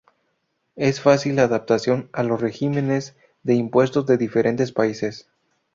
Es fácil la adaptación a los regímenes de impuestos de diferentes países.